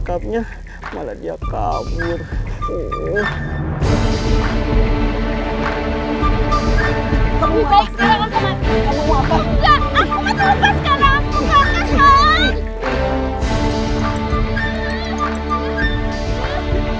kadarnya kak sestalo colleges ini